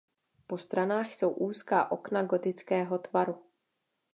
Po stranách jsou úzká okna gotického tvaru.